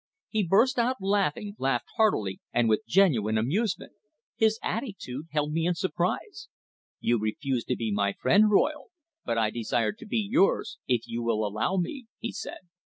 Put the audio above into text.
He burst out laughing laughed heartily, and with genuine amusement. His attitude held me in surprise. "You refuse to be my friend, Royle but I desire to be yours, if you will allow me," he said.